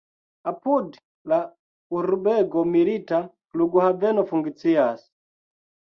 Apud la urbego milita flughaveno funkcias.